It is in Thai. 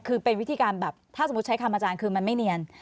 คือเป็นวิธีการแบบถ้าสมมุติใช้คำอาจารย์คือมันไม่เนียน